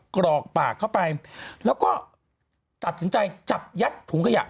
กรอกปากเข้าไปแล้วก็ตัดสินใจจับยัดถุงขยะ